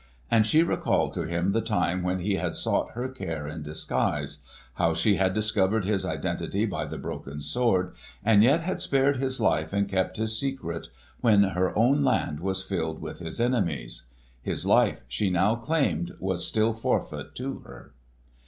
And she recalled to him the time when he had sought her care in disguise; how she had discovered his identity by the broken sword, and yet had spared his life and kept his secret when her own land was filled with his enemies. His life, she now claimed, was still forfeit to her.